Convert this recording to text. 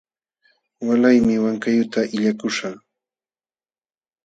Walaymi Wankayuqta illakuśhaq.